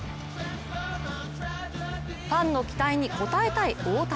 ファンの期待に応えたい大谷。